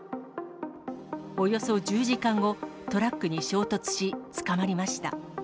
およそ１０時間後、トラックに衝突し、捕まりました。